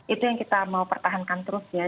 itu yang kita mau pertahankan terus ya